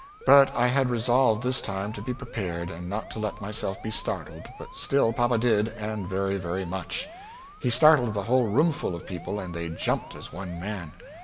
But I had resolved this time to be prepared and not to let myself be startled, but still papa did, and very very much; he startled the whole roomful of people and they jumped as one man.